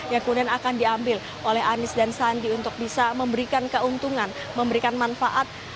yang kemudian akan diambil oleh anies dan sandi untuk bisa memberikan keuntungan memberikan manfaat